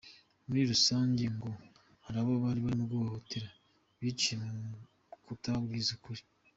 Muri rusange ngo hari abo barimo guhohotera biciye mu kutababwiza ukuri.